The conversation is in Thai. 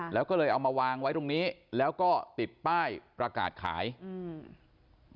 แล้วก็เลยเอามาวางไว้ตรงนี้แล้วก็ติดป้ายประกาศขายอืม